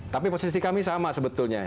tapi posisi kami sama sebetulnya